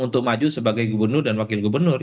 untuk maju sebagai gubernur dan wakil gubernur